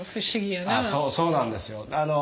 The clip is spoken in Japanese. そうなんですよ。